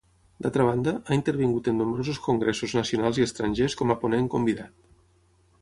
D'altra banda, ha intervingut en nombrosos congressos nacionals i estrangers com a ponent convidat.